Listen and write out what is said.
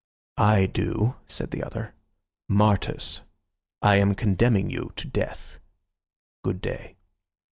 "I do," said the other—"martyrs. I am condemning you to death. Good day."